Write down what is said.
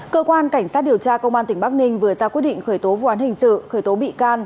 cơ quan cảnh sát điều tra công an tỉnh bắc ninh vừa ra quyết định khởi tố vụ án hình sự khởi tố bị can